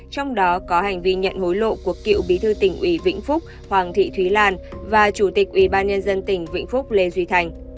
trong đó có hành vi nhận hối lộ của cựu bí thư tỉnh ủy vĩnh phúc hoàng thị thúy lan và chủ tịch ủy ban nhân dân tỉnh vĩnh phúc lê duy thành